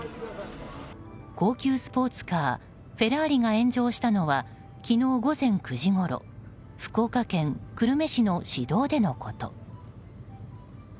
高級スポーツカーフェラーリが炎上したのは昨日午前９時ごろ福岡県久留米市の市道でのこと。